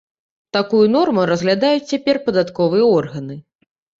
Такую норму разглядаюць цяпер падатковыя органы.